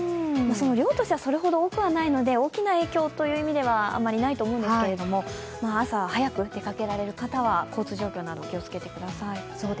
その量としてはそれほど多くはないので大きな影響という意味ではそれほど大きくないと思うんですけど朝早く出かけられる方は交通情報など、気を付けてください。